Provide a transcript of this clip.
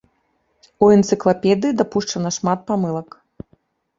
У энцыклапедыі дапушчана шмат памылак.